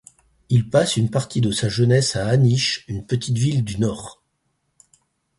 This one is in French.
Il passe une partie de sa jeunesse à Aniche, une petite ville du Nord.